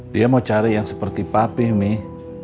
dia mau cari yang seperti pape nih